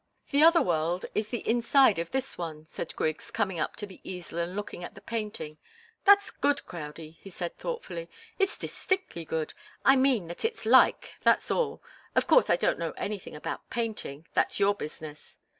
"The other world is the inside of this one," said Griggs, coming up to the easel and looking at the painting. "That's good, Crowdie," he said, thoughtfully. "It's distinctly good. I mean that it's like, that's all. Of course, I don't know anything about painting that's your business."